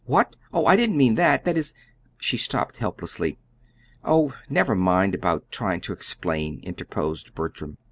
"What? Oh, I didn't mean that! That is " she stopped helplessly. "Oh, never mind about trying to explain," interposed Bertram.